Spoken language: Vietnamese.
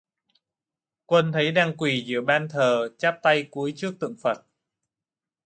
Quân thấy đang quỳ giữa ban thờ chắp tay cúi Trước Tượng Phật